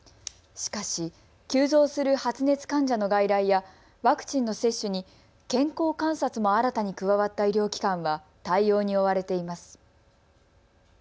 しかし急増する発熱患者の外来やワクチンの接種に健康観察も新たに加わった医療機関は対応に追われています。